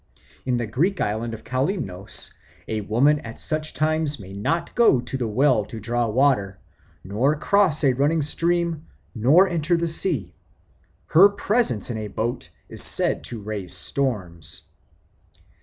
In the Greek island of Calymnos a woman at such times may not go to the well to draw water, nor cross a running stream, nor enter the sea. Her presence in a boat is said to raise storms.